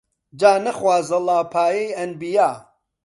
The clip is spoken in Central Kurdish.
جا نەخوازەڵا پایەی ئەنبیا